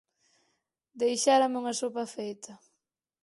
Deixárame unha sopa feita.